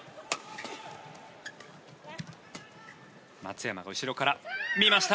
松山が後ろから見ました。